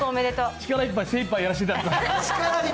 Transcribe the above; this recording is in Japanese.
力いっぱい、精いっぱいやらしていただきます。